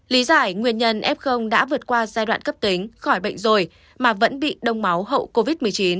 lý giải nguyên nhân f đã vượt qua giai đoạn cấp tính khỏi bệnh rồi mà vẫn bị đông máu hậu covid một mươi chín